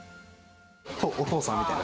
お父さんみたいな。